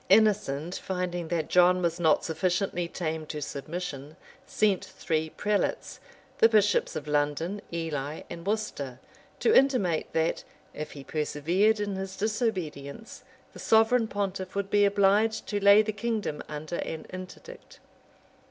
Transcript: Innocent, finding that John was not sufficiently tamed to submission, sent three prelates, the bishops of London, Ely, and Worcester, to intimate, that, if he persevered in his disobedience, the sovereign pontiff would be obliged to lay the kingdom under an interdict.